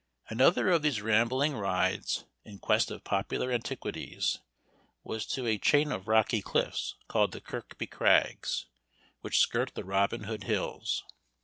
Another of these rambling rides in quest of popular antiquities, was to a chain of rocky cliffs, called the Kirkby Crags, which skirt the Robin Hood hills.